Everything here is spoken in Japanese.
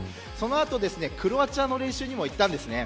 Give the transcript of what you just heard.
その後、クロアチアの練習にも行ったんです。